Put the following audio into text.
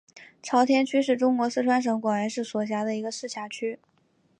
朝天区是中国四川省广元市所辖的一个市辖区。